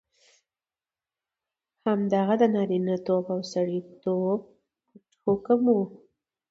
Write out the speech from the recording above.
همدغه د نارینتوب او سړیتوب پت حکم وو.